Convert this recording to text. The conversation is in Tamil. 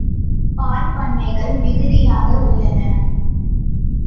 பால் பண்ணைகள் மிகுதியாக உள்ளன.